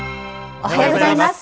おはようございます。